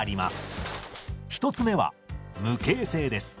１つ目は無形性です。